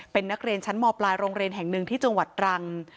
เป็นนักเรียนชั้นมปลายโรงเรียนแห่งหนึ่งที่จังหวัดตรัง